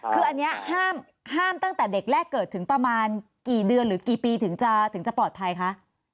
คืออันนี้ห้ามตั้งแต่เด็กแรกเกิดถึงประมาณกี่เดือนหรือกี่ปีถึงจะปลอดภัยคะ